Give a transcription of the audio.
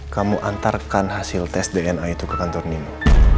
kamu antarkan hasil tes dna itu ke kantor nimu